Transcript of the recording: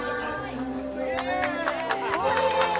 すげえ！